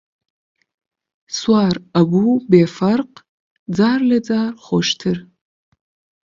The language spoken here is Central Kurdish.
سوار ئەبوو بێ فەرق، جار لە جار خۆشتر